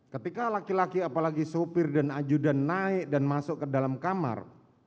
ketika laki laki apalagi sopir dan ajudan naik dan masuk ke dalam kamar